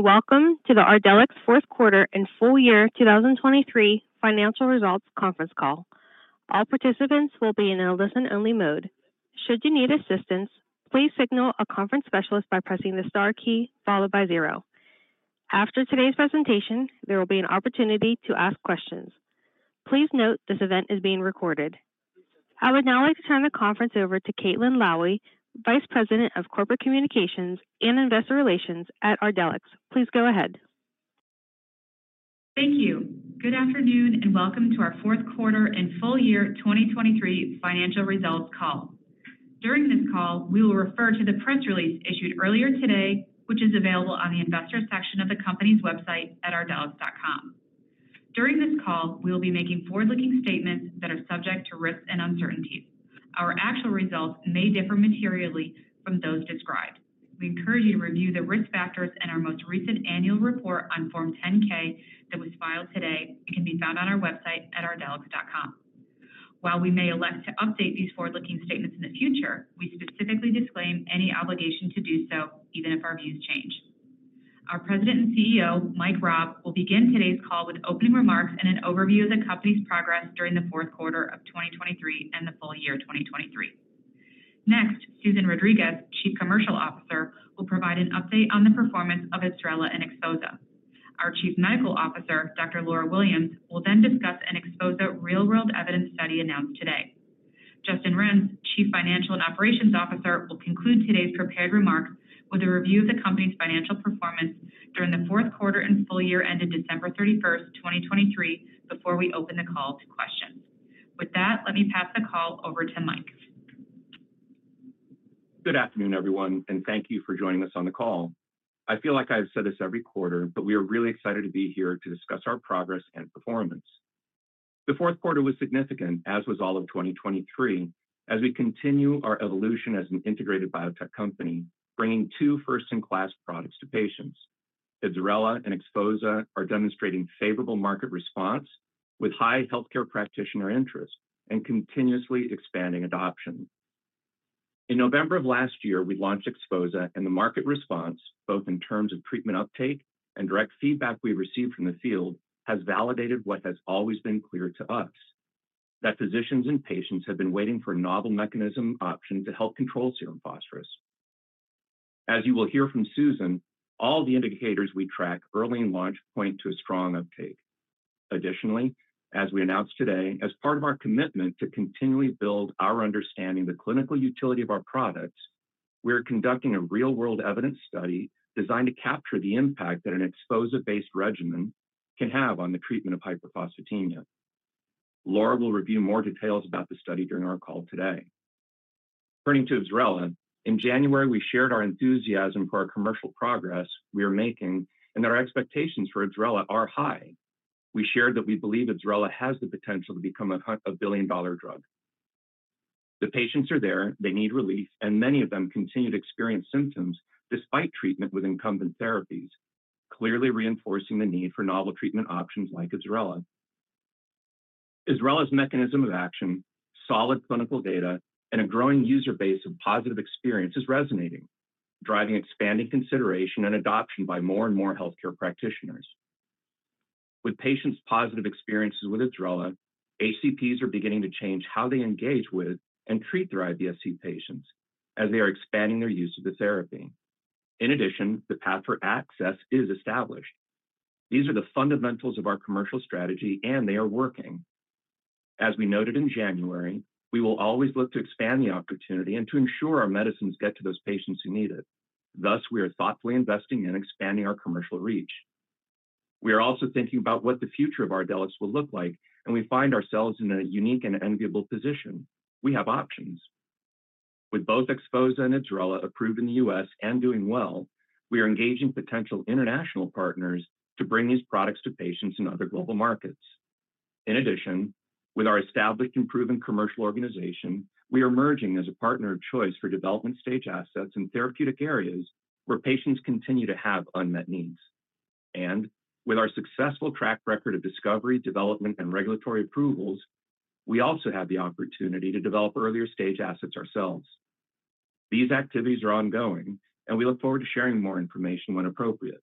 Welcome to the Ardelyx fourth quarter and full-year 2023 financial results conference call. All participants will be in a listen-only mode. Should you need assistance, please signal a conference specialist by pressing the star key followed by zero. After today's presentation, there will be an opportunity to ask questions. Please note this event is being recorded. I would now like to turn the conference over to Caitlin Lowie, Vice President of Corporate Communications and Investor Relations at Ardelyx. Please go ahead. Thank you. Good afternoon and welcome to our fourth quarter and full-year 2023 financial results call. During this call, we will refer to the press release issued earlier today, which is available on the investor section of the company's website at ardelyx.com. During this call, we will be making forward-looking statements that are subject to risks and uncertainties. Our actual results may differ materially from those described. We encourage you to review the risk factors in our most recent annual report on Form 10-K that was filed today and can be found on our website at ardelyx.com. While we may elect to update these forward-looking statements in the future, we specifically disclaim any obligation to do so, even if our views change. Our President and CEO, Mike Raab, will begin today's call with opening remarks and an overview of the company's progress during the fourth quarter of 2023 and the full-year 2023. Next, Susan Rodriguez, Chief Commercial Officer, will provide an update on the performance of IBSRELA and XPHOZAH. Our Chief Medical Officer, Dr. Laura Williams, will then discuss an XPHOZAH real-world evidence study announced today. Justin Renz, Chief Financial and Operations Officer, will conclude today's prepared remarks with a review of the company's financial performance during the fourth quarter and full-year ended December 31st, 2023, before we open the call to questions. With that, let me pass the call over to Mike. Good afternoon, everyone, and thank you for joining us on the call. I feel like I've said this every quarter, but we are really excited to be here to discuss our progress and performance. The fourth quarter was significant, as was all of 2023, as we continue our evolution as an integrated biotech company, bringing two first-in-class products to patients. IBSRELA and XPHOZAH are demonstrating favorable market response with high healthcare practitioner interest and continuously expanding adoption. In November of last year, we launched XPHOZAH, and the market response, both in terms of treatment uptake and direct feedback we received from the field, has validated what has always been clear to us: that physicians and patients have been waiting for novel mechanism options to help control serum phosphorus. As you will hear from Susan, all the indicators we track early in launch point to a strong uptake. Additionally, as we announced today, as part of our commitment to continually build our understanding of the clinical utility of our products, we are conducting a real-world evidence study designed to capture the impact that an XPHOZAH-based regimen can have on the treatment of hyperphosphatemia. Laura will review more details about the study during our call today. Turning to IBSRELA, in January, we shared our enthusiasm for our commercial progress we are making and that our expectations for IBSRELA are high. We shared that we believe IBSRELA has the potential to become a billion-dollar drug. The patients are there, they need relief, and many of them continue to experience symptoms despite treatment with incumbent therapies, clearly reinforcing the need for novel treatment options like IBSRELA. IBSRELA's mechanism of action, solid clinical data, and a growing user base of positive experience is resonating, driving expanding consideration and adoption by more and more healthcare practitioners. With patients' positive experiences with IBSRELA, HCPs are beginning to change how they engage with and treat their IBS-C patients as they are expanding their use of the therapy. In addition, the path for access is established. These are the fundamentals of our commercial strategy, and they are working. As we noted in January, we will always look to expand the opportunity and to ensure our medicines get to those patients who need it. Thus, we are thoughtfully investing in expanding our commercial reach. We are also thinking about what the future of Ardelyx will look like, and we find ourselves in a unique and enviable position. We have options. With both XPHOZAH and IBSRELA approved in the U.S. and doing well, we are engaging potential international partners to bring these products to patients in other global markets. In addition, with our established and proven commercial organization, we are emerging as a partner of choice for development stage assets in therapeutic areas where patients continue to have unmet needs. And with our successful track record of discovery, development, and regulatory approvals, we also have the opportunity to develop earlier stage assets ourselves. These activities are ongoing, and we look forward to sharing more information when appropriate.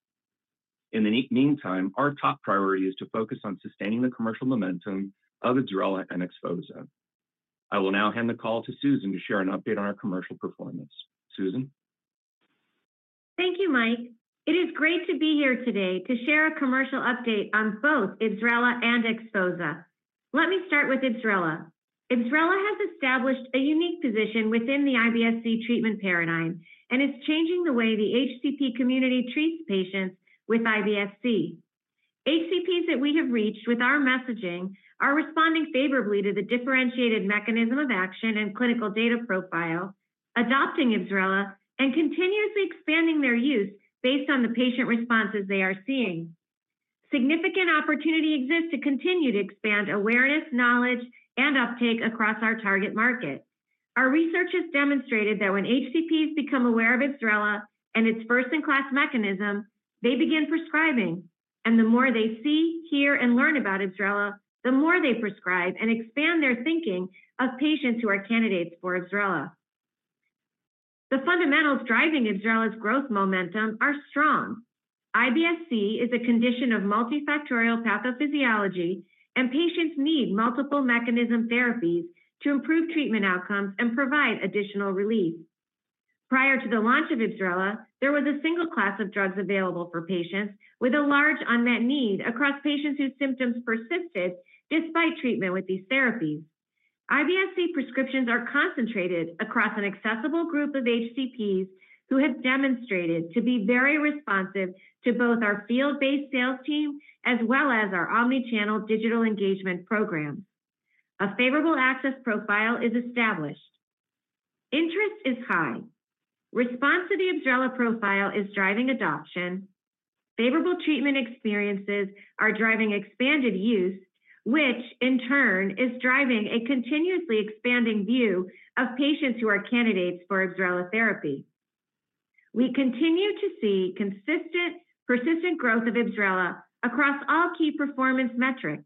In the meantime, our top priority is to focus on sustaining the commercial momentum of IBSRELA and XPHOZAH. I will now hand the call to Susan to share an update on our commercial performance. Susan? Thank you, Mike. It is great to be here today to share a commercial update on both IBSRELA and XPHOZAH. Let me start with IBSRELA. IBSRELA has established a unique position within the IBS-C treatment paradigm and is changing the way the HCP community treats patients with IBS-C. HCPs that we have reached with our messaging are responding favorably to the differentiated mechanism of action and clinical data profile, adopting IBSRELA, and continuously expanding their use based on the patient responses they are seeing. Significant opportunity exists to continue to expand awareness, knowledge, and uptake across our target market. Our research has demonstrated that when HCPs become aware of IBSRELA and its first-in-class mechanism, they begin prescribing. The more they see, hear, and learn about IBSRELA, the more they prescribe and expand their thinking of patients who are candidates for IBSRELA. The fundamentals driving IBSRELA's growth momentum are strong. IBS-C is a condition of multifactorial pathophysiology, and patients need multiple mechanism therapies to improve treatment outcomes and provide additional relief. Prior to the launch of IBSRELA, there was a single class of drugs available for patients with a large unmet need across patients whose symptoms persisted despite treatment with these therapies. IBS-C prescriptions are concentrated across an accessible group of HCPs who have demonstrated to be very responsive to both our field-based sales team as well as our omnichannel digital engagement programs. A favorable access profile is established. Interest is high. Response to the IBSRELA profile is driving adoption. Favorable treatment experiences are driving expanded use, which in turn is driving a continuously expanding view of patients who are candidates for IBSRELA therapy. We continue to see consistent, persistent growth of IBSRELA across all key performance metrics.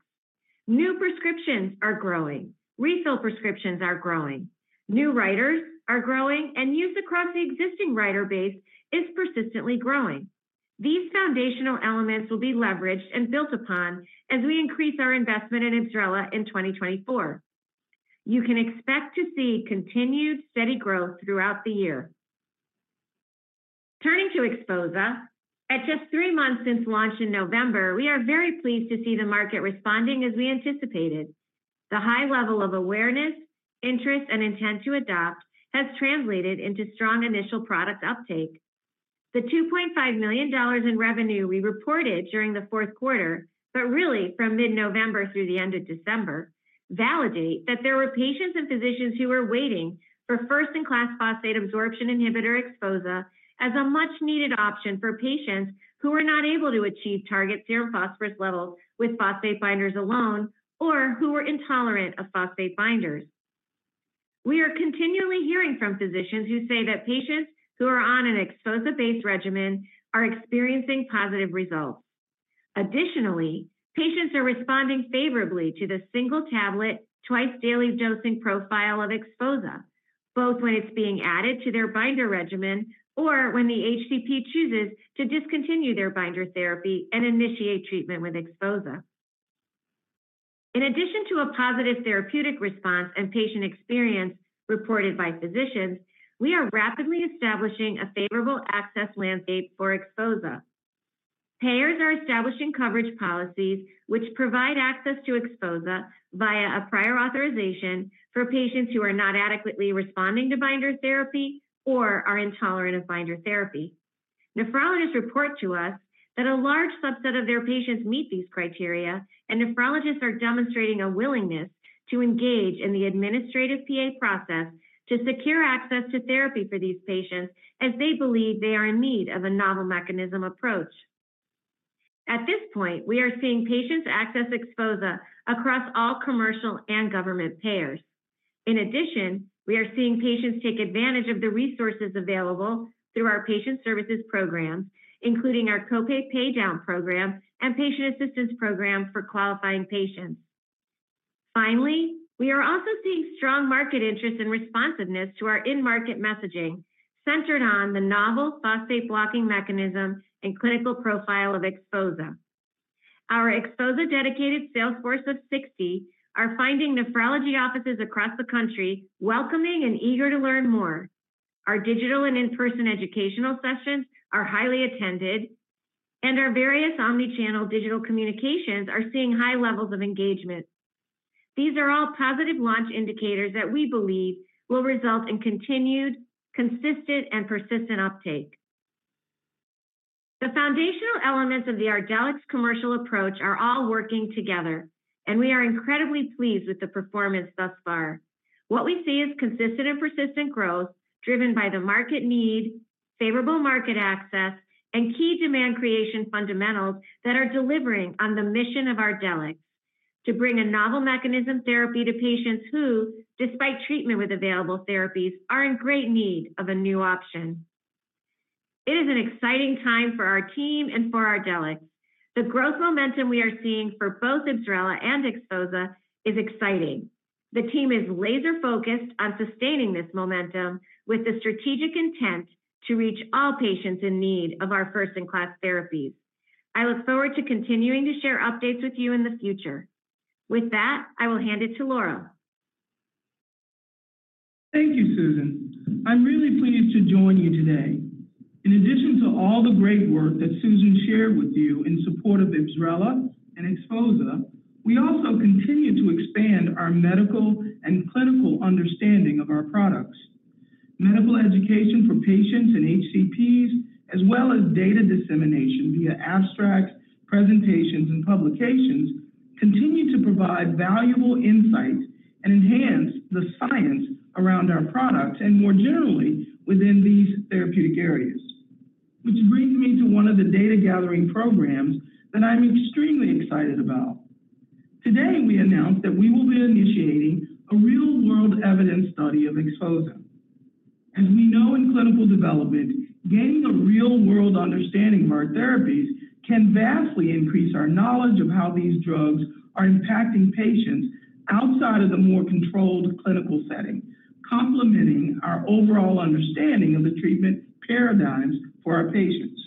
New prescriptions are growing. Refill prescriptions are growing. New writers are growing, and use across the existing writer base is persistently growing. These foundational elements will be leveraged and built upon as we increase our investment in IBSRELA in 2024. You can expect to see continued steady growth throughout the year. Turning to XPHOZAH, at just three months since launch in November, we are very pleased to see the market responding as we anticipated. The high level of awareness, interest, and intent to adopt has translated into strong initial product uptake. The $2.5 million in revenue we reported during the fourth quarter, but really from mid-November through the end of December, validate that there were patients and physicians who were waiting for first-in-class phosphate absorption inhibitor XPHOZAH as a much-needed option for patients who were not able to achieve target serum phosphorus levels with phosphate binders alone or who were intolerant of phosphate binders. We are continually hearing from physicians who say that patients who are on an XPHOZAH-based regimen are experiencing positive results. Additionally, patients are responding favorably to the single tablet twice-daily dosing profile of XPHOZAH, both when it's being added to their binder regimen or when the HCP chooses to discontinue their binder therapy and initiate treatment with XPHOZAH. In addition to a positive therapeutic response and patient experience reported by physicians, we are rapidly establishing a favorable access landscape for XPHOZAH. Payers are establishing coverage policies which provide access to XPHOZAH via a prior authorization for patients who are not adequately responding to binder therapy or are intolerant of binder therapy. Nephrologists report to us that a large subset of their patients meet these criteria, and nephrologists are demonstrating a willingness to engage in the administrative PA process to secure access to therapy for these patients as they believe they are in need of a novel mechanism approach. At this point, we are seeing patients access XPHOZAH across all commercial and government payers. In addition, we are seeing patients take advantage of the resources available through our patient services programs, including our copay paydown program and patient assistance program for qualifying patients. Finally, we are also seeing strong market interest and responsiveness to our in-market messaging centered on the novel phosphate blocking mechanism and clinical profile of XPHOZAH. Our XPHOZAH dedicated sales force of 60 are finding nephrology offices across the country welcoming and eager to learn more. Our digital and in-person educational sessions are highly attended, and our various omnichannel digital communications are seeing high levels of engagement. These are all positive launch indicators that we believe will result in continued, consistent, and persistent uptake. The foundational elements of the Ardelyx commercial approach are all working together, and we are incredibly pleased with the performance thus far. What we see is consistent and persistent growth driven by the market need, favorable market access, and key demand creation fundamentals that are delivering on the mission of Ardelyx to bring a novel mechanism therapy to patients who, despite treatment with available therapies, are in great need of a new option. It is an exciting time for our team and for Ardelyx. The growth momentum we are seeing for both IBSRELA and XPHOZAH is exciting. The team is laser-focused on sustaining this momentum with the strategic intent to reach all patients in need of our first-in-class therapies. I look forward to continuing to share updates with you in the future. With that, I will hand it to Laura. Thank you, Susan. I'm really pleased to join you today. In addition to all the great work that Susan shared with you in support of IBSRELA and XPHOZAH, we also continue to expand our medical and clinical understanding of our products. Medical education for patients and HCPs, as well as data dissemination via abstract presentations and publications, continue to provide valuable insights and enhance the science around our products and more generally within these therapeutic areas, which brings me to one of the data-gathering programs that I'm extremely excited about. Today, we announced that we will be initiating a real-world evidence study of XPHOZAH. As we know in clinical development, gaining a real-world understanding of our therapies can vastly increase our knowledge of how these drugs are impacting patients outside of the more controlled clinical setting, complementing our overall understanding of the treatment paradigms for our patients.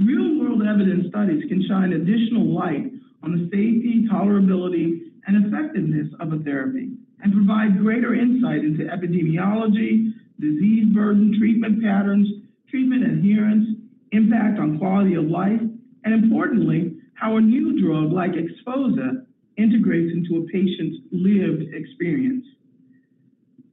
Real-world evidence studies can shine additional light on the safety, tolerability, and effectiveness of a therapy and provide greater insight into epidemiology, disease burden, treatment patterns, treatment adherence, impact on quality of life, and importantly, how a new drug like XPHOZAH integrates into a patient's lived experience.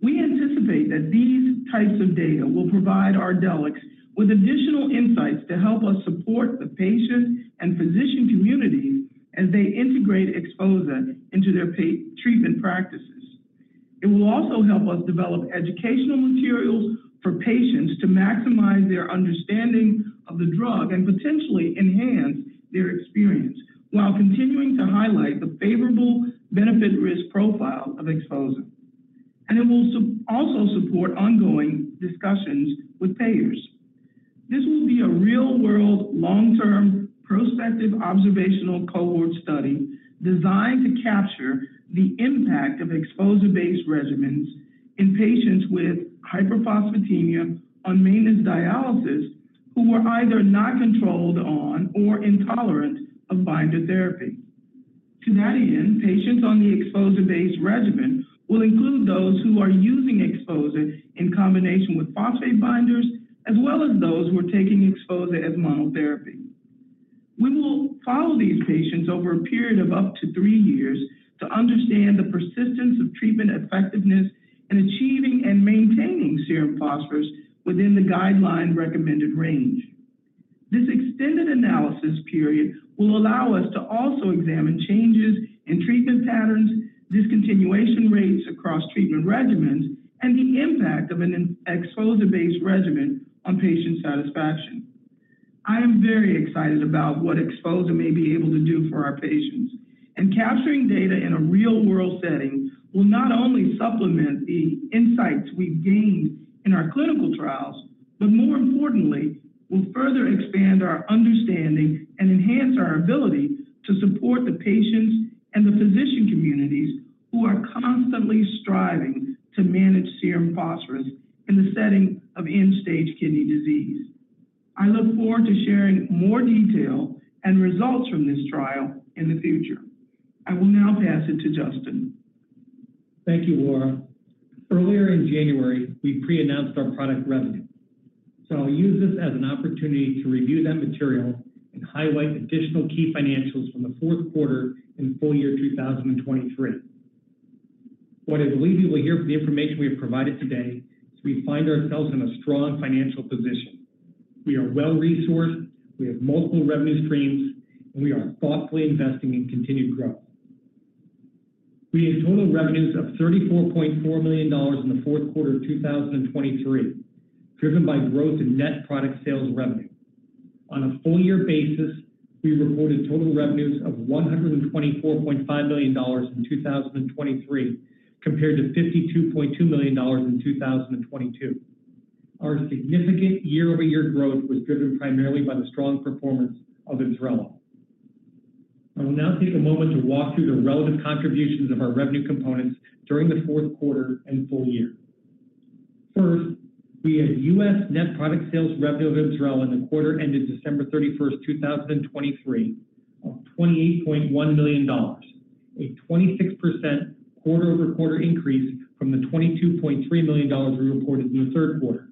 We anticipate that these types of data will provide Ardelyx with additional insights to help us support the patient and physician community as they integrate XPHOZAH into their treatment practices. It will also help us develop educational materials for patients to maximize their understanding of the drug and potentially enhance their experience while continuing to highlight the favorable benefit-risk profile of XPHOZAH. It will also support ongoing discussions with payers. This will be a real-world, long-term, prospective, observational cohort study designed to capture the impact of XPHOZAH-based regimens in patients with hyperphosphatemia on maintenance dialysis who were either not controlled on or intolerant of binder therapy. To that end, patients on the XPHOZAH-based regimen will include those who are using XPHOZAH in combination with phosphate binders, as well as those who are taking XPHOZAH as monotherapy. We will follow these patients over a period of up to three years to understand the persistence of treatment effectiveness in achieving and maintaining serum phosphorus within the guideline-recommended range. This extended analysis period will allow us to also examine changes in treatment patterns, discontinuation rates across treatment regimens, and the impact of an XPHOZAH-based regimen on patient satisfaction. I am very excited about what XPHOZAH may be able to do for our patients. Capturing data in a real-world setting will not only supplement the insights we've gained in our clinical trials, but more importantly, will further expand our understanding and enhance our ability to support the patients and the physician communities who are constantly striving to manage serum phosphorus in the setting of end-stage kidney disease. I look forward to sharing more detail and results from this trial in the future. I will now pass it to Justin. Thank you, Laura. Earlier in January, we pre-announced our product revenue. So I'll use this as an opportunity to review that material and highlight additional key financials from the fourth quarter and full-year 2023. What I believe you will hear from the information we have provided today is we find ourselves in a strong financial position. We are well-resourced, we have multiple revenue streams, and we are thoughtfully investing in continued growth. We had total revenues of $34.4 million in the fourth quarter of 2023, driven by growth in net product sales revenue. On a full-year basis, we reported total revenues of $124.5 million in 2023 compared to $52.2 million in 2022. Our significant year-over-year growth was driven primarily by the strong performance of IBSRELA. I will now take a moment to walk through the relative contributions of our revenue components during the fourth quarter and full-year. First, we had U.S. net product sales revenue of IBSRELA in the quarter ended December 31st, 2023, of $28.1 million, a 26% quarter-over-quarter increase from the $22.3 million we reported in the third quarter.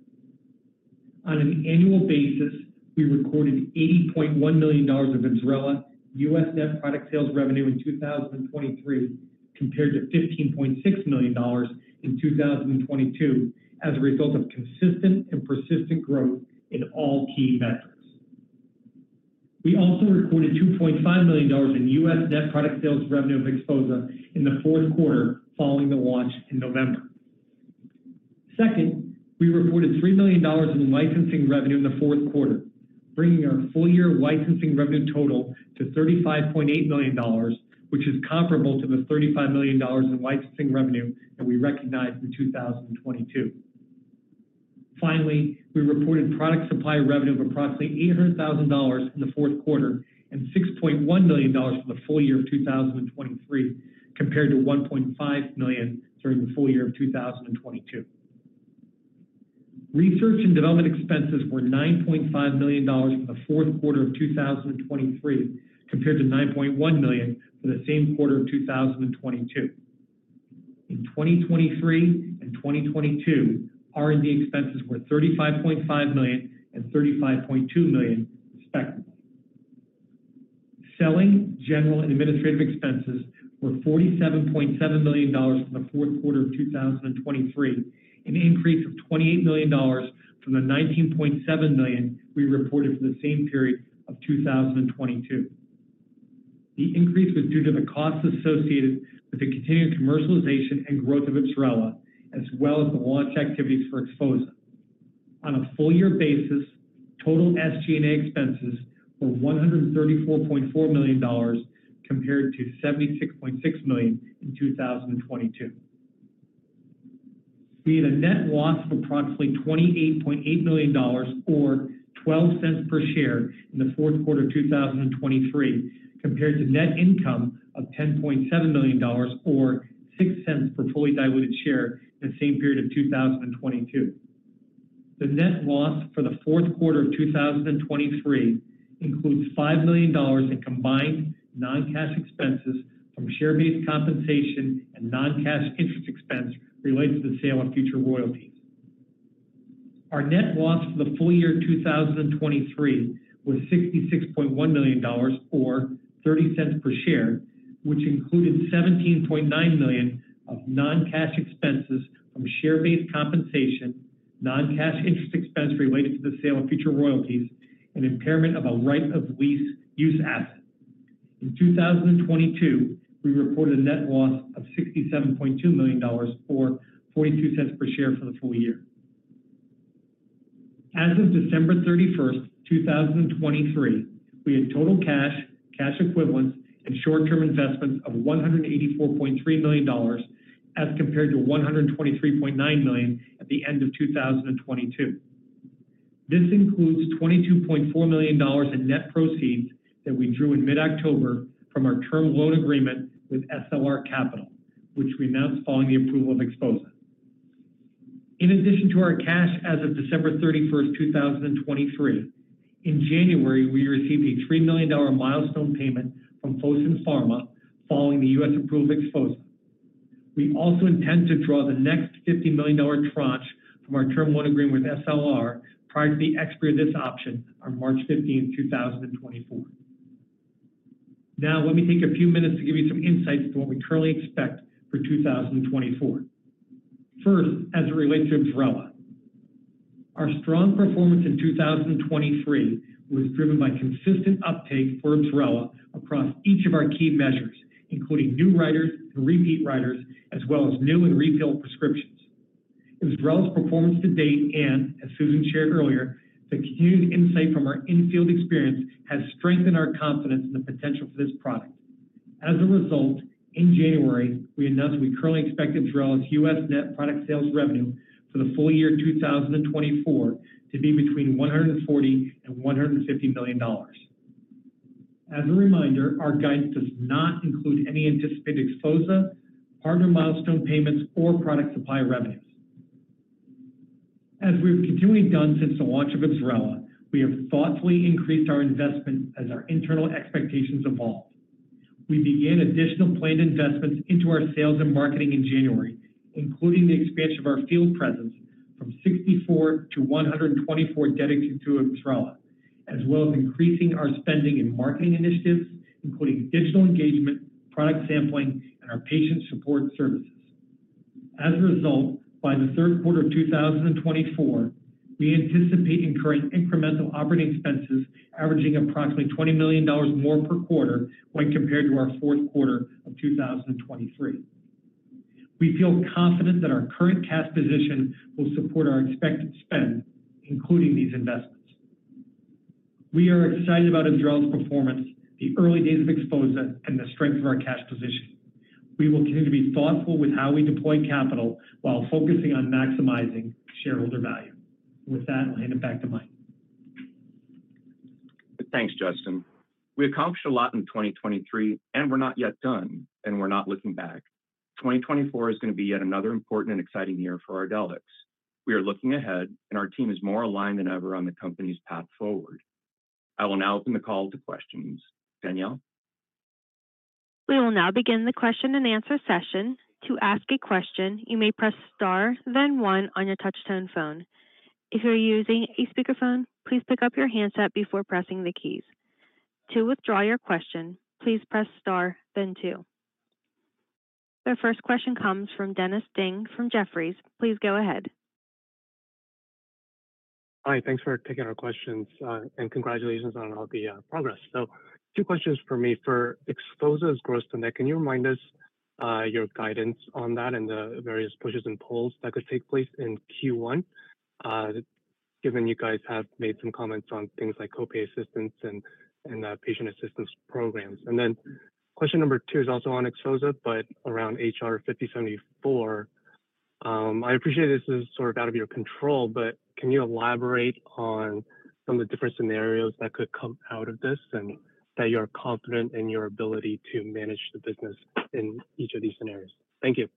On an annual basis, we recorded $80.1 million of IBSRELA U.S. net product sales revenue in 2023 compared to $15.6 million in 2022 as a result of consistent and persistent growth in all key metrics. We also recorded $2.5 million in U.S. net product sales revenue of XPHOZAH in the fourth quarter following the launch in November. Second, we reported $3 million in licensing revenue in the fourth quarter, bringing our full-year licensing revenue total to $35.8 million, which is comparable to the $35 million in licensing revenue that we recognized in 2022. Finally, we reported product supply revenue of approximately $800,000 in the fourth quarter and $6.1 million for the full-year of 2023 compared to $1.5 million during the full-year of 2022. Research and development expenses were $9.5 million for the fourth quarter of 2023 compared to $9.1 million for the same quarter of 2022. In 2023 and 2022, R&D expenses were $35.5 million and $35.2 million respectively. Selling, general, and administrative expenses were $47.7 million for the fourth quarter of 2023, an increase of $28 million from the $19.7 million we reported for the same period of 2022. The increase was due to the costs associated with the continued commercialization and growth of IBSRELA, as well as the launch activities for XPHOZAH. On a full-year basis, total SG&A expenses were $134.4 million compared to $76.6 million in 2022. We had a net loss of approximately $28.8 million or $0.12 per share in the fourth quarter of 2023 compared to net income of $10.7 million or $0.06 per fully diluted share in the same period of 2022. The net loss for the fourth quarter of 2023 includes $5 million in combined non-cash expenses from share-based compensation and non-cash interest expense related to the sale of future royalties. Our net loss for the full-year 2023 was $66.1 million or $0.30 per share, which included $17.9 million of non-cash expenses from share-based compensation, non-cash interest expense related to the sale of future royalties, and impairment of a right of lease use asset. In 2022, we reported a net loss of $67.2 million or $0.42 per share for the full-year. As of December 31st, 2023, we had total cash, cash equivalents, and short-term investments of $184.3 million as compared to $123.9 million at the end of 2022. This includes $22.4 million in net proceeds that we drew in mid-October from our term loan agreement with SLR Capital, which we announced following the approval of XPHOZAH. In addition to our cash as of December 31st, 2023, in January, we received a $3 million milestone payment from Fosun Pharma following the U.S. approval of XPHOZAH. We also intend to draw the next $50 million tranche from our term loan agreement with SLR prior to the expiry of this option on March 15th, 2024. Now, let me take a few minutes to give you some insights to what we currently expect for 2024. First, as it relates to IBSRELA, our strong performance in 2023 was driven by consistent uptake for IBSRELA across each of our key measures, including new writers and repeat writers, as well as new and refilled prescriptions. IBSRELA's performance to date and, as Susan shared earlier, the continued insight from our infield experience has strengthened our confidence in the potential for this product. As a result, in January, we announced we currently expect IBSRELA's U.S. net product sales revenue for the full-year 2024 to be between $140-$150 million. As a reminder, our guide does not include any anticipated XPHOZAH, partner milestone payments, or product supply revenues. As we've continually done since the launch of IBSRELA, we have thoughtfully increased our investment as our internal expectations evolved. We began additional planned investments into our sales and marketing in January, including the expansion of our field presence from 64 to 124 dedicated to IBSRELA, as well as increasing our spending in marketing initiatives, including digital engagement, product sampling, and our patient support services. As a result, by the third quarter of 2024, we anticipate incurring incremental operating expenses averaging approximately $20 million more per quarter when compared to our fourth quarter of 2023. We feel confident that our current cash position will support our expected spend, including these investments. We are excited about IBSRELA's performance, the early days of XPHOZAH, and the strength of our cash position. We will continue to be thoughtful with how we deploy capital while focusing on maximizing shareholder value. With that, I'll hand it back to Mike. Thanks, Justin. We accomplished a lot in 2023, and we're not yet done, and we're not looking back. 2024 is going to be yet another important and exciting year for Ardelyx. We are looking ahead, and our team is more aligned than ever on the company's path forward. I will now open the call to questions. Danielle? We will now begin the question-and-answer session. To ask a question, you may press star, then one on your touch-tone phone. If you're using a speakerphone, please pick up your handset before pressing the keys. To withdraw your question, please press star, then two. The first question comes from Dennis Ding from Jefferies. Please go ahead. Hi. Thanks for taking our questions, and congratulations on all the progress. So two questions for me. For XPHOZAH's gross-to-net, can you remind us your guidance on that and the various pushes and pulls that could take place in Q1, given you guys have made some comments on things like copay assistance and patient assistance programs? And then question number two is also on XPHOZAH, but around HR 5074. I appreciate this is sort of out of your control, but can you elaborate on some of the different scenarios that could come out of this and that you are confident in your ability to manage the business in each of these scenarios? Thank you.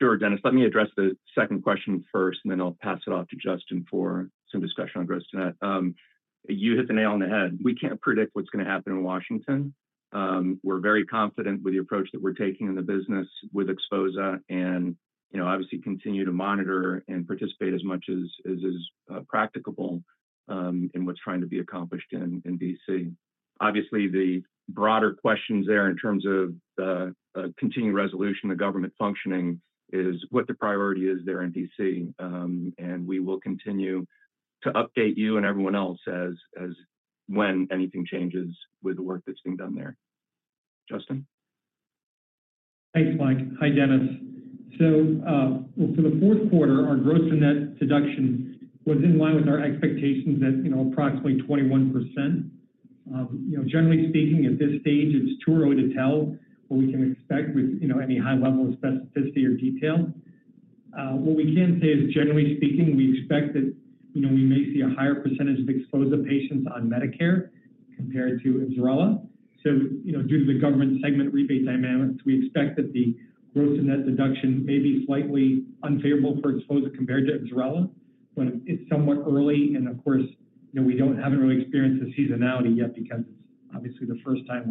Sure, Dennis. Let me address the second question first, and then I'll pass it off to Justin for some discussion on gross-to-net. You hit the nail on the head. We can't predict what's going to happen in Washington. We're very confident with the approach that we're taking in the business with XPHOZAH and obviously continue to monitor and participate as much as is practicable in what's trying to be accomplished in D.C. Obviously, the broader questions there in terms of the continued resolution, the government functioning, is what the priority is there in D.C. And we will continue to update you and everyone else as when anything changes with the work that's being done there. Justin? Thanks, Mike. Hi, Dennis. So for the fourth quarter, our gross-to-net deduction was in line with our expectations at approximately 21%. Generally speaking, at this stage, it's too early to tell what we can expect with any high level of specificity or detail. What we can say is, generally speaking, we expect that we may see a higher percentage of XPHOZAH patients on Medicare compared to IBSRELA. So due to the government segment rebate dynamics, we expect that the gross-to-net deduction may be slightly unfavorable for XPHOZAH compared to IBSRELA, but it's somewhat early. And of course, we haven't really experienced the seasonality yet because it's obviously the first time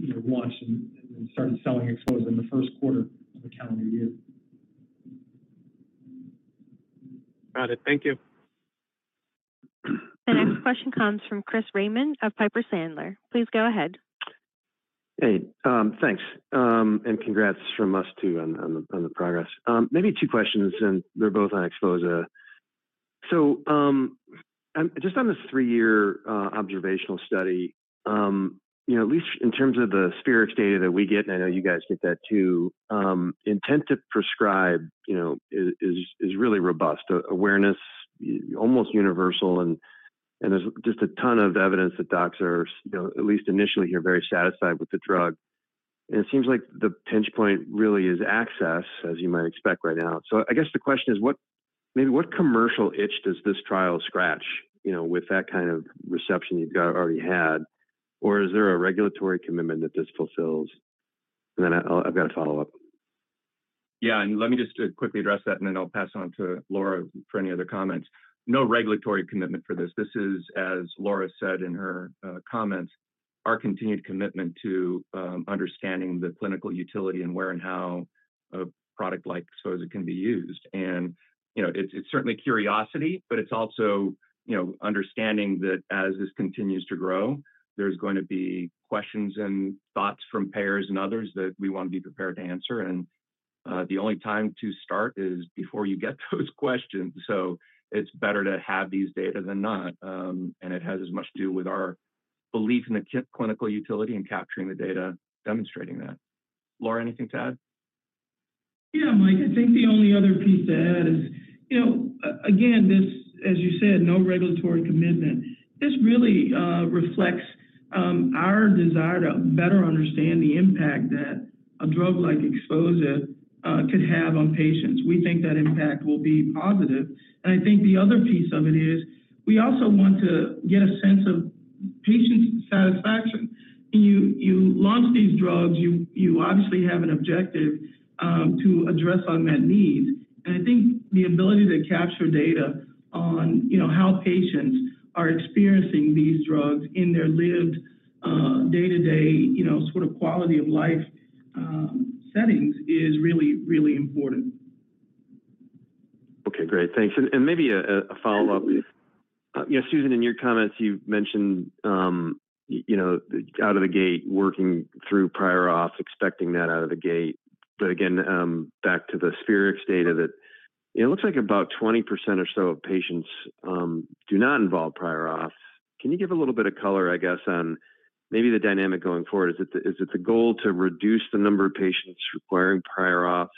we've launched and started selling XPHOZAH in the first quarter of the calendar year. Got it. Thank you. The next question comes from Chris Raymond of Piper Sandler. Please go ahead. Hey. Thanks. And congrats from us too on the progress. Maybe two questions, and they're both on XPHOZAH. So just on this 3-year observational study, at least in terms of the Spherix data that we get, and I know you guys get that too, intent to prescribe is really robust, awareness, almost universal. And there's just a ton of evidence that docs are, at least initially here, very satisfied with the drug. And it seems like the pinch point really is access, as you might expect right now. So I guess the question is, maybe what commercial itch does this trial scratch with that kind of reception you've already had? Or is there a regulatory commitment that this fulfills? And then I've got to follow up. Yeah. And let me just quickly address that, and then I'll pass on to Laura for any other comments. No regulatory commitment for this. This is, as Laura said in her comments, our continued commitment to understanding the clinical utility and where and how a product like XPHOZAH can be used. And it's certainly curiosity, but it's also understanding that as this continues to grow, there's going to be questions and thoughts from payers and others that we want to be prepared to answer. And the only time to start is before you get those questions. So it's better to have these data than not. And it has as much to do with our belief in the clinical utility and capturing the data, demonstrating that. Laura, anything to add? Yeah, Mike. I think the only other piece to add is, again, this, as you said, no regulatory commitment. This really reflects our desire to better understand the impact that a drug like XPHOZAH could have on patients. We think that impact will be positive. And I think the other piece of it is we also want to get a sense of patient satisfaction. When you launch these drugs, you obviously have an objective to address unmet needs. And I think the ability to capture data on how patients are experiencing these drugs in their lived day-to-day sort of quality of life settings is really, really important. Okay. Great. Thanks. And maybe a follow-up. Susan, in your comments, you mentioned out of the gate, working through prior auths, expecting that out of the gate. But again, back to the Spherix data that it looks like about 20% or so of patients do not involve prior auths. Can you give a little bit of color, I guess, on maybe the dynamic going forward? Is it the goal to reduce the number of patients requiring prior auths?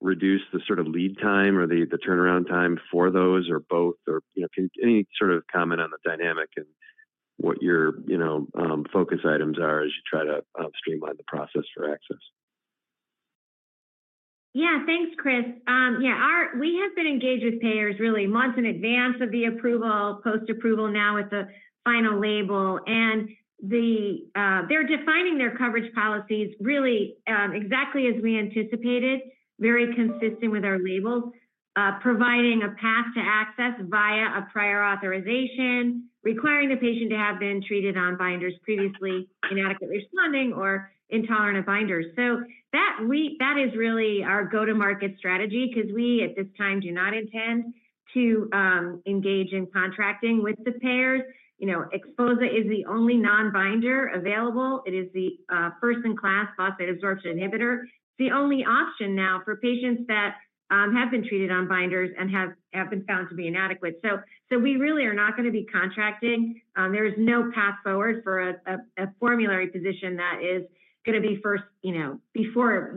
Reduce the sort of lead time or the turnaround time for those or both? Or any sort of comment on the dynamic and what your focus items are as you try to streamline the process for access? Yeah. Thanks, Chris. Yeah. We have been engaged with payers really months in advance of the approval, post-approval now with the final label. And they're defining their coverage policies really exactly as we anticipated, very consistent with our labels, providing a path to access via a prior authorization, requiring the patient to have been treated on binders previously, inadequately responding, or intolerant of binders. So that is really our go-to-market strategy because we, at this time, do not intend to engage in contracting with the payers. XPHOZAH is the only non-binder available. It is the first-in-class phosphate absorption inhibitor. It's the only option now for patients that have been treated on binders and have been found to be inadequate. So we really are not going to be contracting. There is no path forward for a formulary position that is going to be first before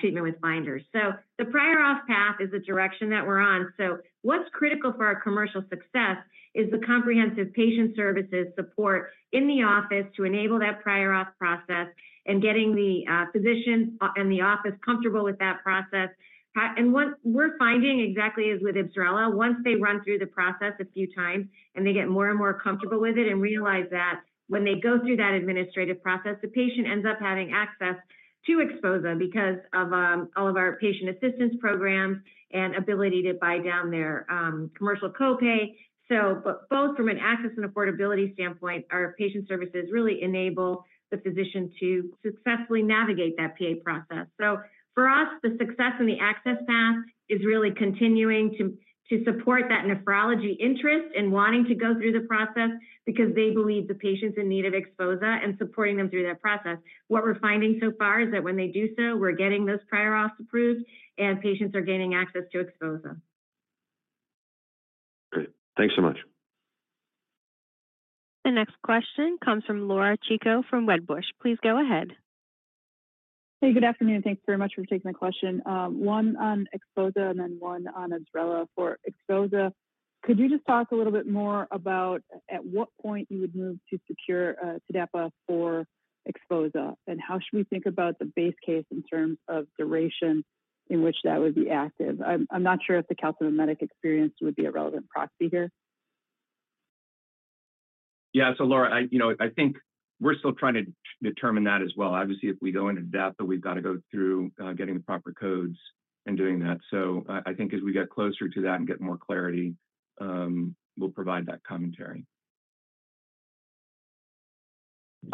treatment with binders. So the prior auth path is the direction that we're on. So what's critical for our commercial success is the comprehensive patient services support in the office to enable that prior auth process and getting the physician and the office comfortable with that process. And what we're finding exactly is with IBSRELA, once they run through the process a few times and they get more and more comfortable with it and realize that when they go through that administrative process, the patient ends up having access to XPHOZAH because of all of our patient assistance programs and ability to buy down their commercial copay. But both from an access and affordability standpoint, our patient services really enable the physician to successfully navigate that PA process. So for us, the success in the access path is really continuing to support that nephrology interest and wanting to go through the process because they believe the patient's in need of XPHOZAH and supporting them through that process. What we're finding so far is that when they do so, we're getting those prior auths approved, and patients are gaining access to XPHOZAH. Great. Thanks so much. The next question comes from Laura Chico from Wedbush. Please go ahead. Hey, good afternoon. Thanks very much for taking the question. One on XPHOZAH and then one on IBSRELA. For XPHOZAH, could you just talk a little bit more about at what point you would move to secure TDAPA for XPHOZAH, and how should we think about the base case in terms of duration in which that would be active? I'm not sure if the calcimimetic experience would be a relevant proxy here. Yeah. So Laura, I think we're still trying to determine that as well. Obviously, if we go into depth, we've got to go through getting the proper codes and doing that. So I think as we get closer to that and get more clarity, we'll provide that commentary.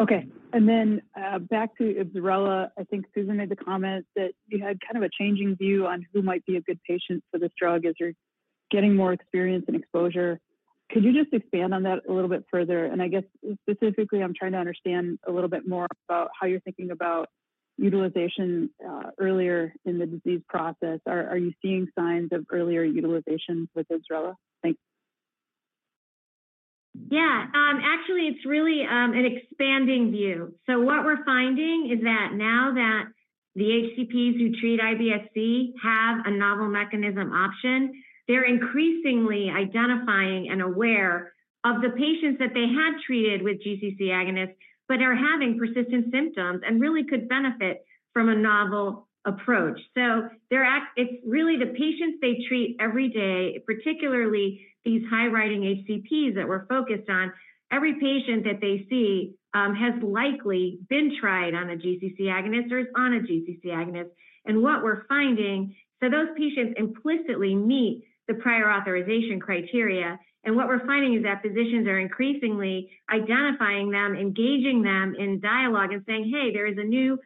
Okay. Then back to IBSRELA, I think Susan made the comment that you had kind of a changing view on who might be a good patient for this drug as you're getting more experience and exposure. Could you just expand on that a little bit further? And I guess specifically, I'm trying to understand a little bit more about how you're thinking about utilization earlier in the disease process. Are you seeing signs of earlier utilization with IBSRELA? Thanks. Yeah. Actually, it's really an expanding view. So what we're finding is that now that the HCPs who treat IBS-C have a novel mechanism option, they're increasingly identifying and aware of the patients that they had treated with GCC agonists but are having persistent symptoms and really could benefit from a novel approach. So it's really the patients they treat every day, particularly these high-prescribing HCPs that we're focused on. Every patient that they see has likely been tried on a GCC agonist or is on a GCC agonist. And what we're finding so those patients implicitly meet the prior authorization criteria. What we're finding is that physicians are increasingly identifying them, engaging them in dialogue, and saying, "Hey, there is a new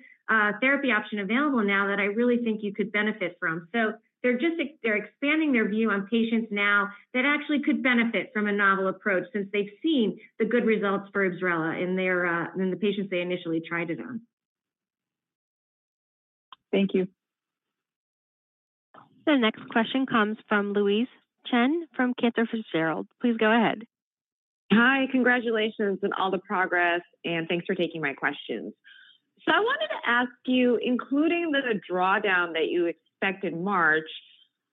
therapy option available now that I really think you could benefit from." So they're expanding their view on patients now that actually could benefit from a novel approach since they've seen the good results for IBSRELA in the patients they initially tried it on. Thank you. The next question comes from Louise Chen from Cantor Fitzgerald. Please go ahead. Hi. Congratulations on all the progress, and thanks for taking my questions. So I wanted to ask you, including the drawdown that you expect in March,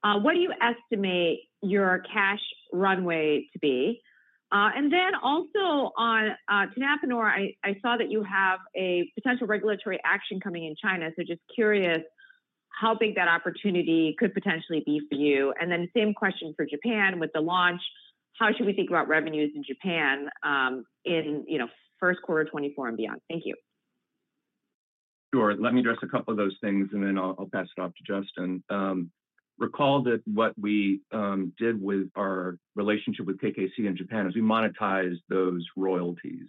what do you estimate your cash runway to be? And then also on tenapanor, I saw that you have a potential regulatory action coming in China. So just curious how big that opportunity could potentially be for you. And then same question for Japan with the launch. How should we think about revenues in Japan in first quarter 2024 and beyond? Thank you. Sure. Let me address a couple of those things, and then I'll pass it off to Justin. Recall that what we did with our relationship with KKC in Japan is we monetized those royalties,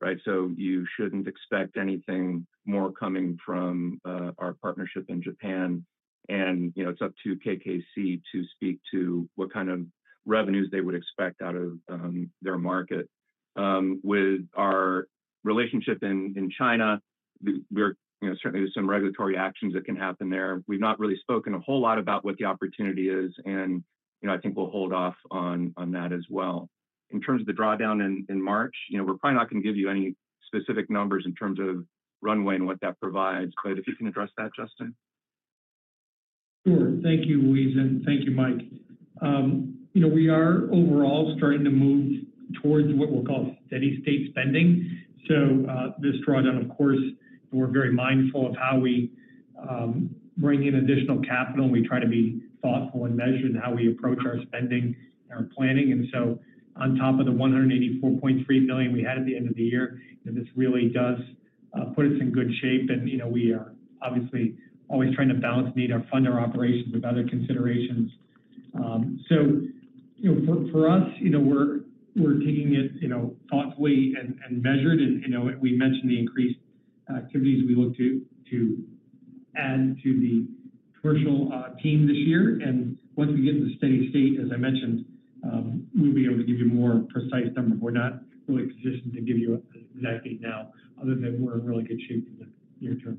right? So you shouldn't expect anything more coming from our partnership in Japan. And it's up to KKC to speak to what kind of revenues they would expect out of their market. With our relationship in China, certainly there's some regulatory actions that can happen there. We've not really spoken a whole lot about what the opportunity is, and I think we'll hold off on that as well. In terms of the drawdown in March, we're probably not going to give you any specific numbers in terms of runway and what that provides. But if you can address that, Justin. Yeah. Thank you, Louise. And thank you, Mike. We are overall starting to move towards what we'll call steady state spending. So this drawdown, of course, we're very mindful of how we bring in additional capital. We try to be thoughtful and measured in how we approach our spending and our planning. And so on top of the $184.3 million we had at the end of the year, this really does put us in good shape. And we are obviously always trying to balance and meet our fund our operations with other considerations. So for us, we're taking it thoughtfully and measured. And we mentioned the increased activities we look to add to the commercial team this year. And once we get to the steady state, as I mentioned, we'll be able to give you a more precise number. We're not really positioned to give you an exact date now, other than we're in really good shape for the near term.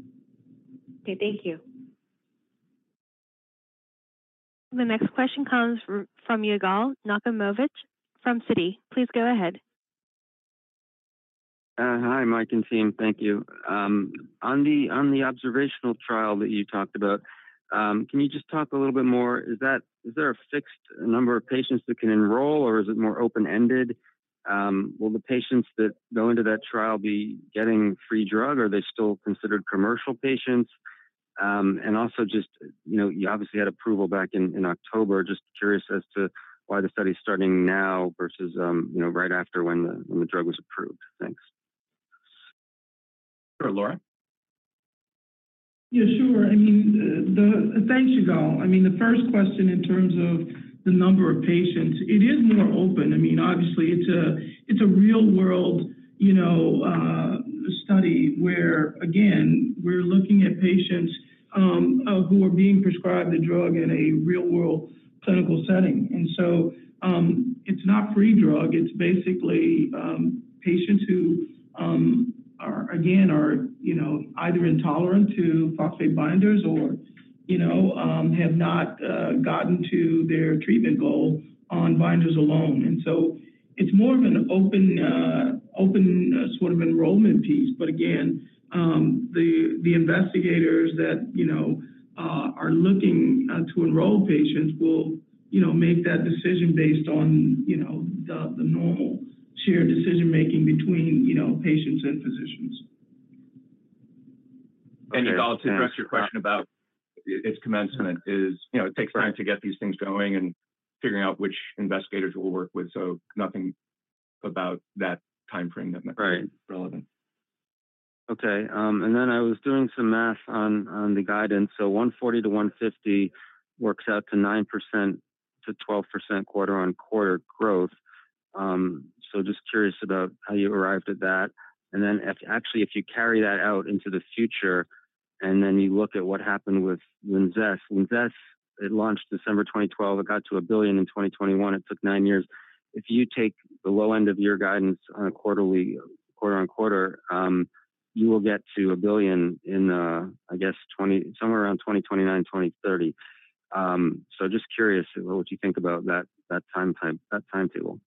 Okay. Thank you. The next question comes from Yigal Nochomovitz from Citi. Please go ahead. Hi, Mike and team. Thank you. On the observational trial that you talked about, can you just talk a little bit more? Is there a fixed number of patients that can enroll, or is it more open-ended? Will the patients that go into that trial be getting free drug, or are they still considered commercial patients? And also just you obviously had approval back in October. Just curious as to why the study is starting now versus right after when the drug was approved. Thanks. Sure. Laura? Yeah. Sure. I mean, thanks, Yigal. I mean, the first question in terms of the number of patients, it is more open. I mean, obviously, it's a real-world study where, again, we're looking at patients who are being prescribed the drug in a real-world clinical setting. And so it's not free drug. It's basically patients who, again, are either intolerant to phosphate binders or have not gotten to their treatment goal on binders alone. And so it's more of an open sort of enrollment piece. But again, the investigators that are looking to enroll patients will make that decision based on the normal shared decision-making between patients and physicians. Yigal, to address your question about its commencement, it takes time to get these things going and figuring out which investigators we'll work with. So nothing about that timeframe that might be relevant. Right. Okay. And then I was doing some math on the guidance. So 140-150 works out to 9%-12% quarter-on-quarter growth. So just curious about how you arrived at that. And then actually, if you carry that out into the future and then you look at what happened with LINZESS, LINZESS, it launched December 2012. It got to $1 billion in 2021. It took nine years. If you take the low end of your guidance on a quarter-on-quarter, you will get to $1 billion in, I guess, somewhere around 2029, 2030. So just curious, what would you think about that timetable?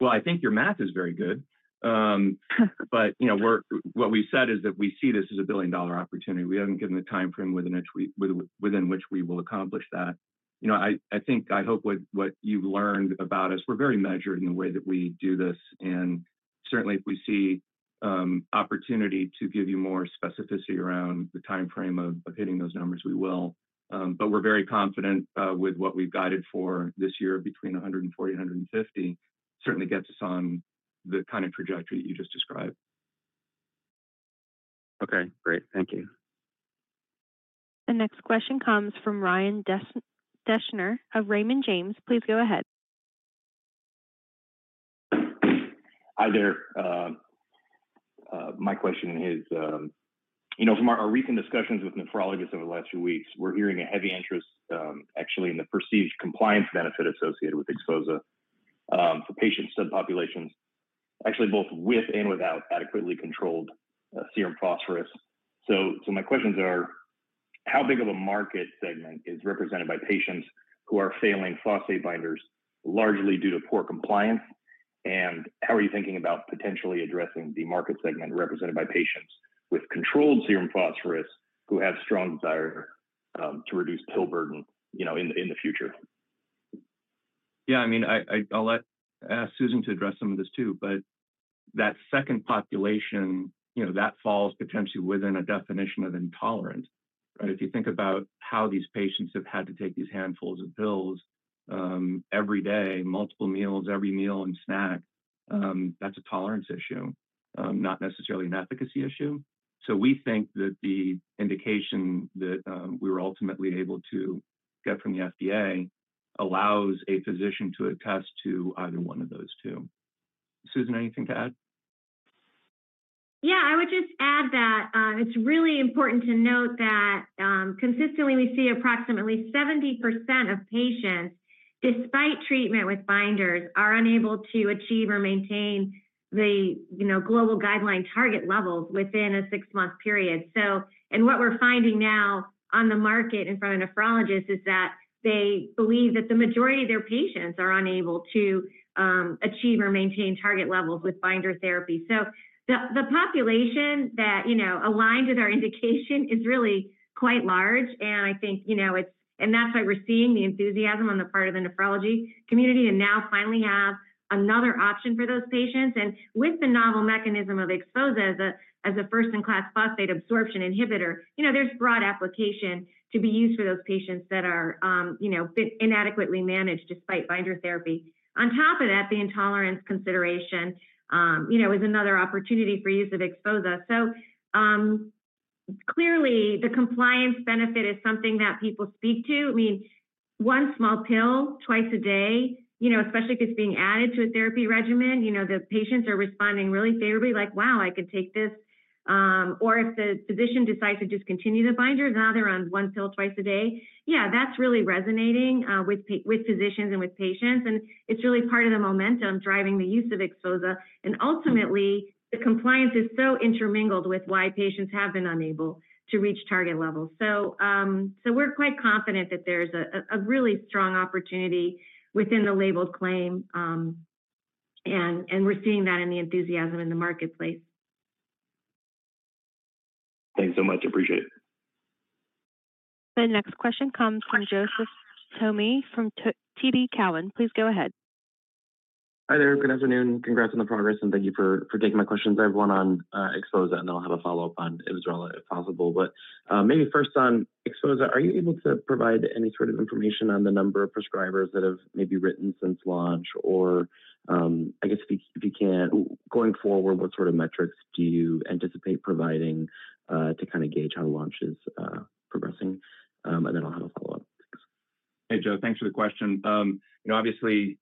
Well, I think your math is very good. But what we've said is that we see this as a billion-dollar opportunity. We haven't given the timeframe within which we will accomplish that. I think I hope what you've learned about us, we're very measured in the way that we do this. And certainly, if we see opportunity to give you more specificity around the timeframe of hitting those numbers, we will. But we're very confident with what we've guided for this year between $140-$150 certainly gets us on the kind of trajectory that you just described. Okay. Great. Thank you. The next question comes from Ryan Deschner of Raymond James. Please go ahead. Hi there. My question is from our recent discussions with nephrologists over the last few weeks, we're hearing a heavy interest, actually, in the perceived compliance benefit associated with XPHOZAH for patient subpopulations, actually both with and without adequately controlled serum phosphorus. So my questions are, how big of a market segment is represented by patients who are failing phosphate binders, largely due to poor compliance? And how are you thinking about potentially addressing the market segment represented by patients with controlled serum phosphorus who have strong desire to reduce pill burden in the future? Yeah. I mean, I'll ask Susan to address some of this too. But that second population, that falls potentially within a definition of intolerant, right? If you think about how these patients have had to take these handfuls of pills every day, multiple meals, every meal and snack, that's a tolerance issue, not necessarily an efficacy issue. So we think that the indication that we were ultimately able to get from the FDA allows a physician to attest to either one of those two. Susan, anything to add? Yeah. I would just add that it's really important to note that consistently, we see approximately 70% of patients, despite treatment with binders, are unable to achieve or maintain the global guideline target levels within a six-month period. And what we're finding now on the market in front of nephrologists is that they believe that the majority of their patients are unable to achieve or maintain target levels with binder therapy. So the population that aligned with our indication is really quite large. And I think that's why we're seeing the enthusiasm on the part of the nephrology community to now finally have another option for those patients. And with the novel mechanism of XPHOZAH as a first-in-class phosphate absorption inhibitor, there's broad application to be used for those patients that are inadequately managed despite binder therapy. On top of that, the intolerance consideration is another opportunity for use of XPHOZAH. So clearly, the compliance benefit is something that people speak to. I mean, one small pill twice a day, especially if it's being added to a therapy regimen, the patients are responding really favorably like, "Wow, I could take this." Or if the physician decides to discontinue the binder, now they're on one pill twice a day. Yeah, that's really resonating with physicians and with patients. And it's really part of the momentum driving the use of XPHOZAH. And ultimately, the compliance is so intermingled with why patients have been unable to reach target levels. So we're quite confident that there's a really strong opportunity within the labeled claim. And we're seeing that in the enthusiasm in the marketplace. Thanks so much. Appreciate it. The next question comes from Joseph Thome from TD Cowen. Please go ahead. Hi there. Good afternoon. Congrats on the progress. Thank you for taking my questions. I have one on XPHOZAH, and then I'll have a follow-up on IBSRELA if possible. Maybe first on XPHOZAH, are you able to provide any sort of information on the number of prescribers that have maybe written since launch? Or I guess if you can, going forward, what sort of metrics do you anticipate providing to kind of gauge how launch is progressing? And then I'll have a follow-up. Thanks. Hey, Joe. Thanks for the question. Obviously,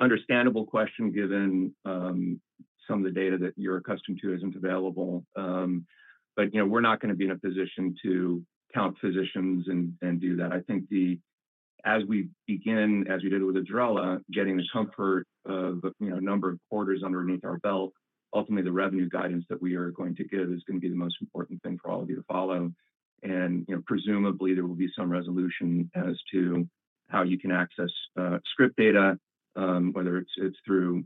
understandable question given some of the data that you're accustomed to isn't available. But we're not going to be in a position to count physicians and do that. I think as we begin, as we did with IBSRELA, getting the comfort of a number of quarters underneath our belt, ultimately, the revenue guidance that we are going to give is going to be the most important thing for all of you to follow. Presumably, there will be some resolution as to how you can access script data, whether it's through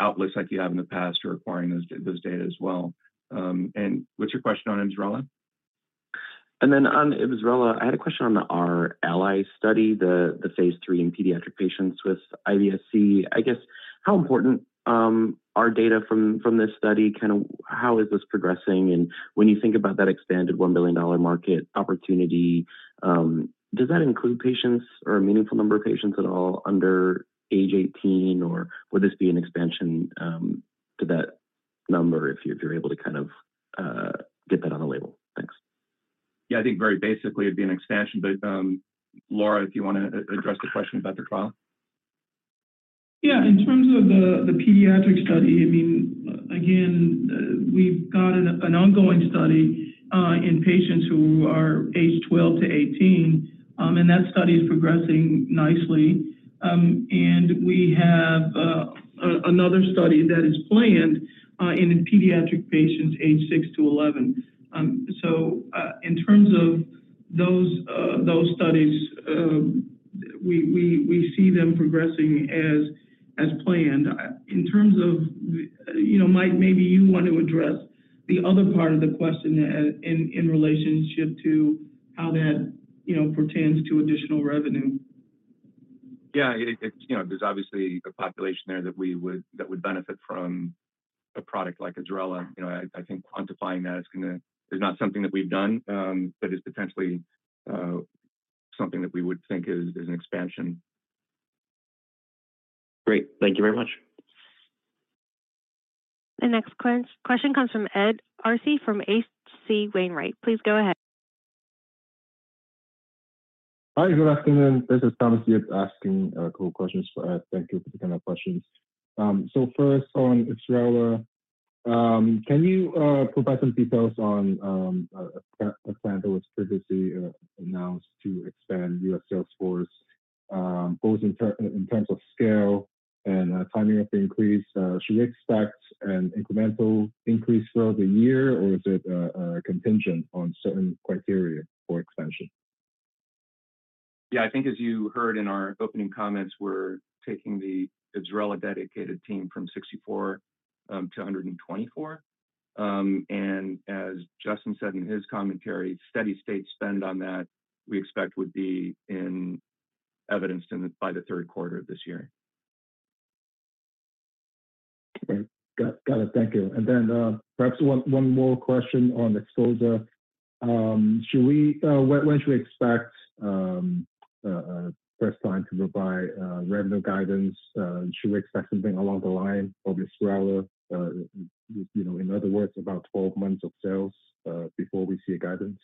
outlets like you have in the past or acquiring those data as well. What's your question on IBSRELA? And then on IBSRELA, I had a question on the RALI study, the phase III in pediatric patients with IBS-C. I guess how important are data from this study? Kind of how is this progressing? And when you think about that expanded $1 billion market opportunity, does that include patients or a meaningful number of patients at all under age 18? Or would this be an expansion to that number if you're able to kind of get that on the label? Thanks. Yeah. I think very basically, it'd be an expansion. But Laura, if you want to address the question about the trial. Yeah. In terms of the pediatric study, I mean, again, we've got an ongoing study in patients who are age 12-18. That study is progressing nicely. We have another study that is planned in pediatric patients age 6-11. So in terms of those studies, we see them progressing as planned. In terms of Mike, maybe you want to address the other part of the question in relationship to how that pertains to additional revenue. Yeah. There's obviously a population there that would benefit from a product like IBSRELA. I think quantifying that is not something that we've done, but is potentially something that we would think is an expansion. Great. Thank you very much. The next question comes from Ed Arce from H.C. Wainwright. Please go ahead. Hi. Good afternoon. This is Thomas Yip asking a couple of questions for Ed. Thank you for taking my questions. First on IBSRELA, can you provide some details on a plan that was previously announced to expand U.S. sales force, both in terms of scale and timing of the increase? Should we expect an incremental increase throughout the year, or is it contingent on certain criteria for expansion? Yeah. I think as you heard in our opening comments, we're taking the IBSRELA dedicated team from 64 to 124. And as Justin said in his commentary, steady state spend on that, we expect would be evidenced by the third quarter of this year. Got it. Thank you. And then perhaps one more question on XPHOZAH. When should we expect a first time to provide revenue guidance? Should we expect something along the line, probably IBSRELA, in other words, about 12 months of sales before we see a guidance?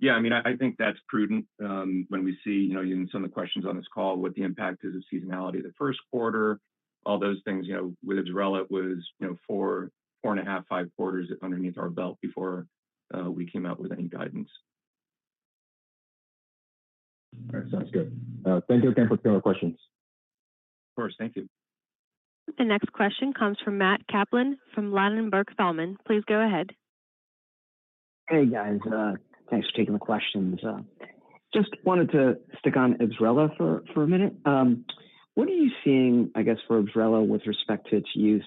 Yeah. I mean, I think that's prudent. When we see in some of the questions on this call what the impact is of seasonality of the first quarter, all those things, with IBSRELA, it was 4.5, 5 quarters underneath our belt before we came out with any guidance. All right. Sounds good. Thank you again for taking my questions. Of course. Thank you. The next question comes from Matt Kaplan from Ladenburg Thalmann. Please go ahead. Hey, guys. Thanks for taking the questions. Just wanted to stick on IBSRELA for a minute. What are you seeing, I guess, for IBSRELA with respect to its use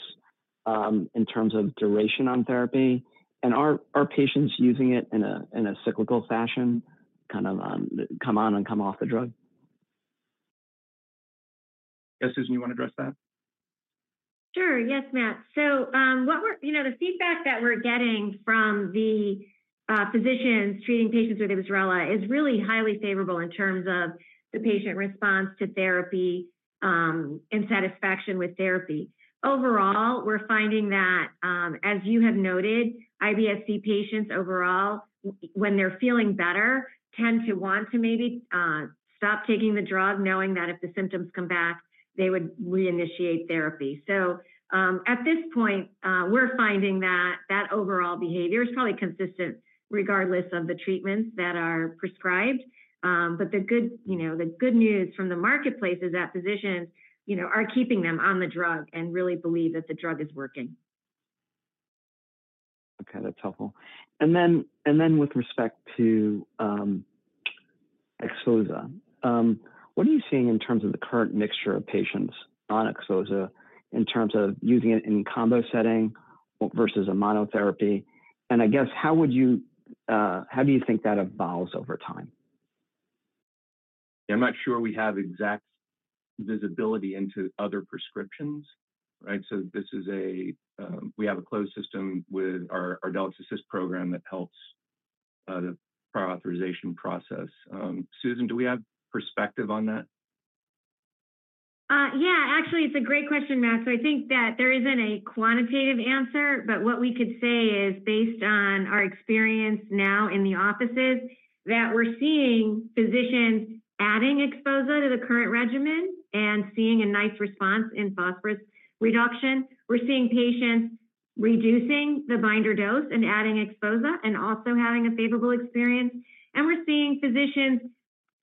in terms of duration on therapy? And are patients using it in a cyclical fashion, kind of come on and come off the drug? Yeah. Susan, you want to address that? Sure. Yes, Matt. So the feedback that we're getting from the physicians treating patients with IBSRELA is really highly favorable in terms of the patient response to therapy and satisfaction with therapy. Overall, we're finding that, as you have noted, IBS-C patients overall, when they're feeling better, tend to want to maybe stop taking the drug knowing that if the symptoms come back, they would reinitiate therapy. So at this point, we're finding that overall behavior is probably consistent regardless of the treatments that are prescribed. But the good news from the marketplace is that physicians are keeping them on the drug and really believe that the drug is working. Okay. That's helpful. And then with respect to XPHOZAH, what are you seeing in terms of the current mixture of patients on XPHOZAH in terms of using it in a combo setting versus a monotherapy? And I guess how do you think that evolves over time? Yeah. I'm not sure we have exact visibility into other prescriptions, right? So this is, we have a closed system with our ArdelyxAssist program that helps the prior authorization process. Susan, do we have perspective on that? Yeah. Actually, it's a great question, Matt. So I think that there isn't a quantitative answer. But what we could say is, based on our experience now in the offices, that we're seeing physicians adding XPHOZAH to the current regimen and seeing a nice response in phosphorus reduction. We're seeing patients reducing the binder dose and adding XPHOZAH and also having a favorable experience. And we're seeing physicians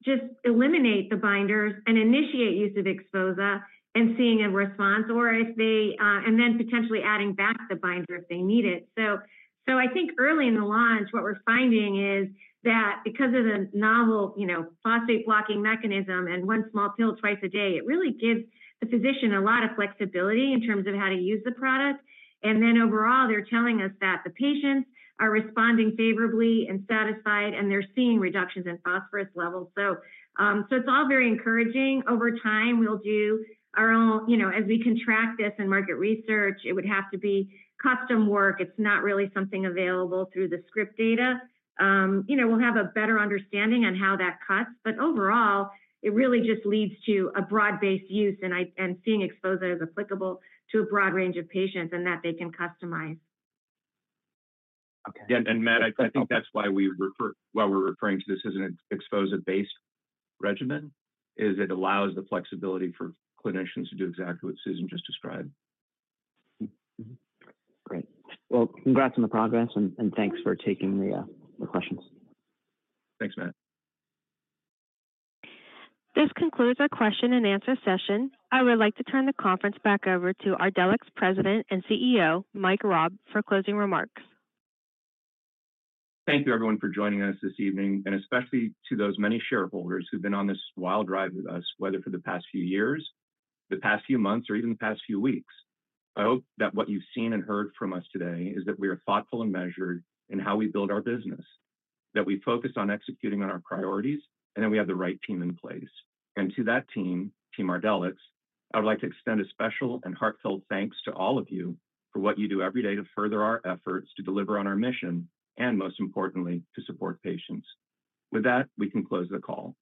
just eliminate the binders and initiate use of XPHOZAH and seeing a response or if they and then potentially adding back the binder if they need it. So I think early in the launch, what we're finding is that because of the novel phosphate-blocking mechanism and one small pill twice a day, it really gives the physician a lot of flexibility in terms of how to use the product. And then overall, they're telling us that the patients are responding favorably and satisfied, and they're seeing reductions in phosphorus levels. So it's all very encouraging. Over time, we'll do our own as we conduct this and market research; it would have to be custom work. It's not really something available through the script data. We'll have a better understanding on how that cuts. But overall, it really just leads to a broad-based use and seeing XPHOZAH as applicable to a broad range of patients and that they can customize. Okay. Yeah. And Matt, I think that's why we're referring to this as an XPHOZAH-based regimen, is it allows the flexibility for clinicians to do exactly what Susan just described. Great. Well, congrats on the progress, and thanks for taking the questions. Thanks, Matt. This concludes our question-and-answer session. I would like to turn the conference back over to Ardelyx President and CEO Mike Raab for closing remarks. Thank you, everyone, for joining us this evening, and especially to those many shareholders who've been on this wild ride with us, whether for the past few years, the past few months, or even the past few weeks. I hope that what you've seen and heard from us today is that we are thoughtful and measured in how we build our business, that we focus on executing on our priorities, and that we have the right team in place. To that team, Team Ardelyx, I would like to extend a special and heartfelt thanks to all of you for what you do every day to further our efforts to deliver on our mission and, most importantly, to support patients. With that, we can close the call.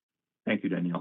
Thank you, Daniel.